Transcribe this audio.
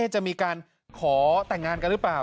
จะมีการขอแต่งงานกันหรือเปล่า